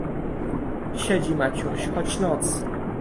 "Siedzi Maciuś, choć noc."